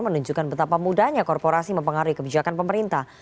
menunjukkan betapa mudahnya korporasi mempengaruhi kebijakan pemerintah